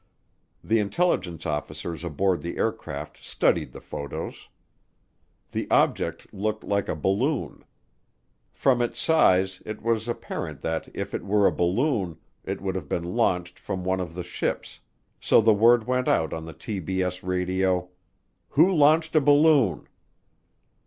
The intelligence officers aboard the carrier studied the photos. The object looked like a balloon. From its size it was apparent that if it were a balloon, it would have been launched from one of the ships, so the word went out on the TBS radio: "Who launched a balloon?"